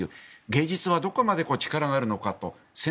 芸術はどこまで力があるのかと。